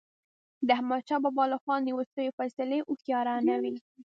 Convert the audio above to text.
د احمدشاه بابا له خوا نیول سوي فيصلي هوښیارانه وي.